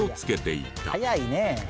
「早いね」